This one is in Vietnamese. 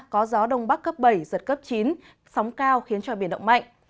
có gió đông bắc cấp bảy giật cấp chín sóng cao khiến cho biển động mạnh